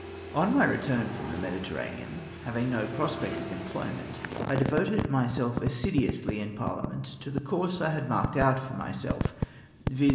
On my return from the Mediterranean, having no pros pect of employment, I devoted myself assiduously in Parhament to the course I had marked out for myself, viz.